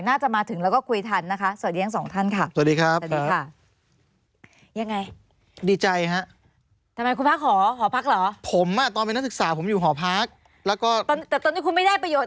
น่าจะมาถึงแล้วก็คุยทันนะคะ